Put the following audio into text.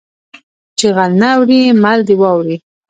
ـ چې غل نه اوړي مل دې واوړي .